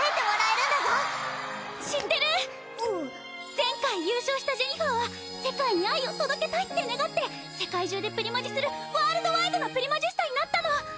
前回優勝したジェニファーは世界に愛を届けたいって願って世界中でプリマジするワールドワイドなプリマジスタになったの！